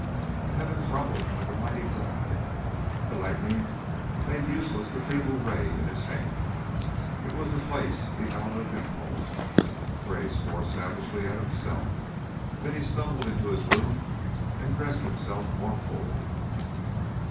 The heavens rumbled like a mighty drumhead, the lightning made useless the feeble ray in his hand. It was the place, the hour of impulse. Gray swore savagely at himself, then he stumbled into his room and dressed himself more fully.